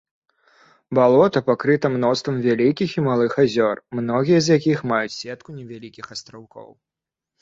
Балота пакрыта мноствам вялікіх і малых азёр, многія з якіх маюць сетку невялікіх астраўкоў.